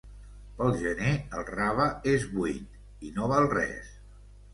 Pel gener el rave és buit i no val res.